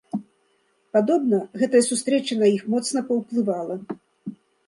Падобна, гэтая сустрэча на іх моцна паўплывала.